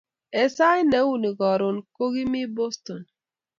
Eng saait neu ni koron kokimii Boston